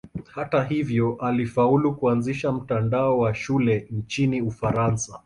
Hata hivyo alifaulu kuanzisha mtandao wa shule nchini Ufaransa.